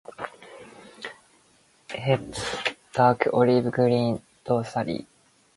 Head dark olive green dorsally.